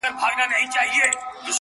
ژبي، سیمي او دین خلک